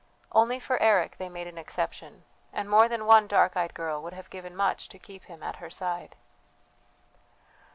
Only for Eric they made an exception, and more than one dark eyed girl would have given much to keep him at her side.